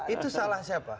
itu salah siapa